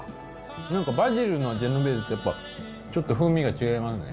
なんかバジルのジェノベーゼとやっぱちょっと風味が違いますね。